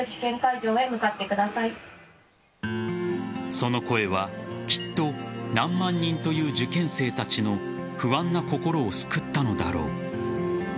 その声はきっと何万人という受験生たちの不安な心を救ったのだろう。